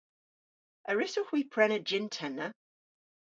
A wrussowgh hwi prena jynn-tenna?